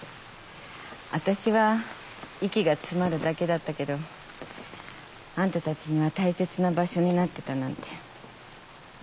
あたしは息が詰まるだけだったけどあんたたちには大切な場所になってたなんて。